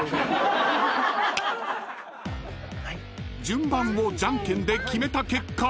［順番をじゃんけんで決めた結果］